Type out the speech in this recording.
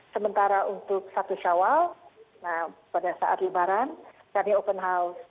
sementara untuk satu syawal pada saat lebaran kami open house